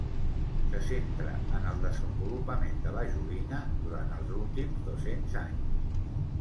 Se centra en el desenvolupament de la joguina durant els últims dos-cents anys.